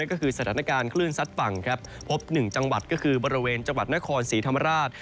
ก็คือสถานการณ์คลื่นซัดฝั่งครับพบ๑จังหวัดก็คือบริเวณจังหวัดนครศรีธรรมราช